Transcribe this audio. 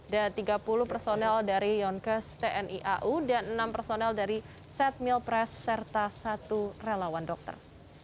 dan tiga puluh personel dari yonkes tni au dan enam personel dari setmilpres serta satu relawan dokter